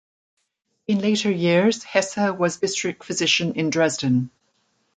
In later years, Hesse was district physician in Dresden.